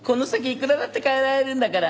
いくらだって変えられるんだから。